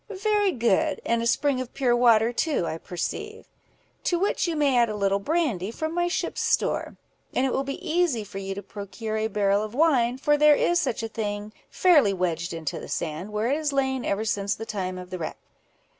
"Very good; and a spring of pure water too, I perceive." "To which you may add a little brandy, from my ship's store; and it will be easy for you to procure a barrel of wine, for there is such a thing, fairly wedged into the sand, where it has lain ever since the time of the wreck."